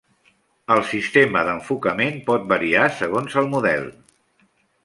El sistema d'enfocament pot variar segons el model.